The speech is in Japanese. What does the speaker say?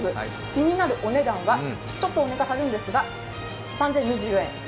気になるお値段はちょっと張るんですが、３０２４円。